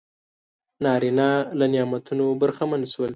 نارینه له نعمتونو برخمن شول.